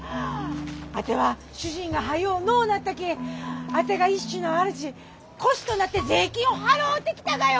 あては主人が早う亡うなったきあてが主戸主となって税金を払うてきたがよ！